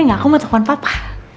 nggak aku mau telfon papa